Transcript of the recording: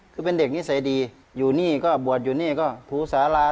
คือเป็นเด็กนิสัยดีอยู่นี่ก็บวชอยู่นี่ก็ภูสารา